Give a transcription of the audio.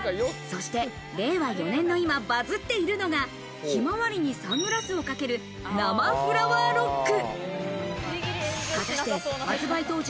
そして令和４年の今、バズっているのがひまわりにサングラスをかける生フラワーロック。